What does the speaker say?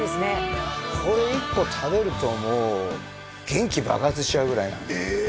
これ１個食べるともう元気爆発しちゃうぐらいなええ！